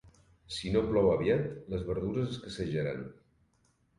Si no plou aviat, les verdures escassejaran.